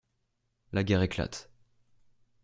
La guerre éclate.